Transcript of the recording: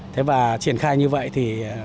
thế và triển khai như vậy thì